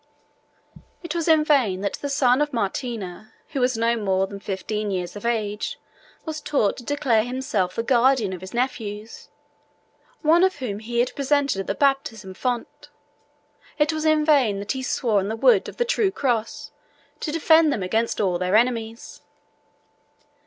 It was in vain that the son of Martina, who was no more than fifteen years of age, was taught to declare himself the guardian of his nephews, one of whom he had presented at the baptismal font: it was in vain that he swore on the wood of the true cross, to defend them against all their enemies.